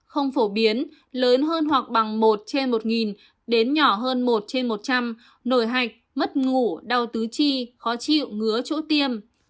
không phổ biến lớn hơn hoặc bằng một trên một đến nhỏ hơn một trên một trăm linh nổi hạch mất ngủ đau tứ chi khó chịu ngứa chỗ tiêm